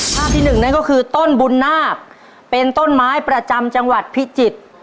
ภาพที่หนึ่งนั่นก็คือต้นบุญนาคเป็นต้นไม้ประจำจังหวัดพิจิตร